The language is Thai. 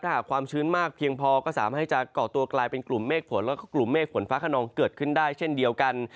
ถ้าหากความชื้นมากเพียงพอก็สามารถให้จะเกาะตัวกลายเป็นกลุ่มเมฆฝนแล้วก็กลุ่มเมฆฝนฟ้าขนองเกิดขึ้นได้เช่นเดียวกัน